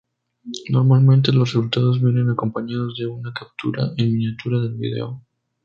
Normalmente los resultados vienen acompañados de una captura en miniatura del vídeo.